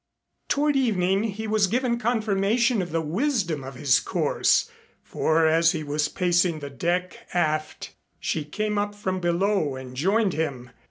Toward evening he was given confirmation of the wisdom of his course, for as he was pacing the deck aft she came up from below and joined him.